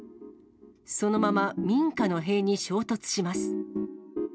そのまま民家の塀に衝突します。